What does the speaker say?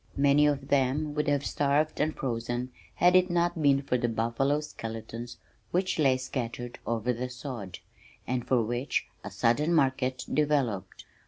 Many of them would have starved and frozen had it not been for the buffalo skeletons which lay scattered over the sod, and for which a sudden market developed.